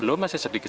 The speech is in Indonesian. belum masih sedikit